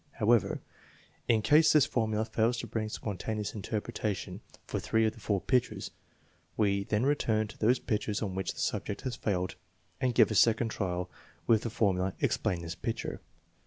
However, in case, this formula fails to bring spontaneous interpretation for three of the four pictures, we then return to those pictures on which the subject has failed and give a second trial with the for mula: " Explain this picture.